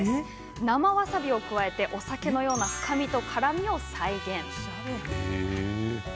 生わさびを加えお酒のような深みと辛みを再現。